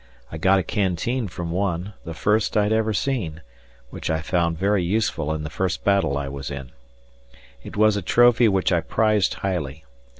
I got a canteen from one the first I had ever seen which I found very useful in the first battle I was in. It was a trophy which I prized highly.